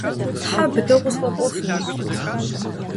Тхьэ быдэу къысхуэпӀуэфыну?